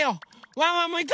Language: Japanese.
ワンワンもいく！